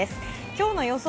今日の予想